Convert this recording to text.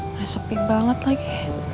resepi banget lagi